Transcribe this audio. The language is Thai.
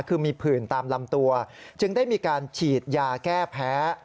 คือมีผื่นตามลำตัวจึงได้มีการฉีดยาแก้แพ้